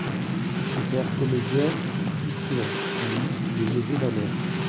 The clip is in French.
Se faire comédien, histrion ! lui, le neveu d’un maire !…